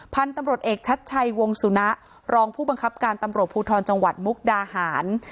พันธุ์ตำรวจเอกชัดชัยวงสุนะรองผู้บังคับการตำรวจภูทรจังหวัดมุกดาหาร